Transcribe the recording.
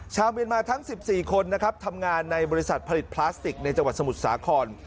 ชาวเมียนมาทั้ง๑๔คนนะครับทำงานในบริษัทผลิตพลาสติกในจังหวัดสมุทรสาคร